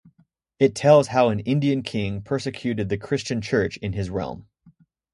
It tells how an Indian king persecuted the Christian Church in his realm.